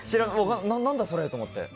何だそれと思って。